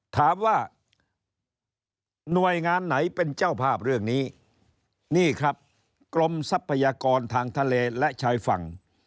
ถามว่าหน่วยงานไหนเป็นเจ้าภาพเรื่องนี้นี่ครับกรมทรัพยากรทางทะเลและชายฝั่ง